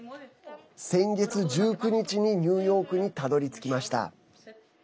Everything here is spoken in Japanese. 先月１９日に、ニューヨークにたどりつきました。